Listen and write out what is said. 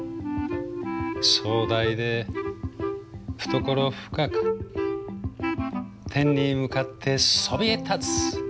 壮大で懐深く天に向かってそびえ立つ。